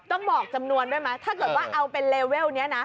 ต้องบอกจำนวนด้วยไหมถ้าเกิดว่าเอาเป็นเลเวลนี้นะ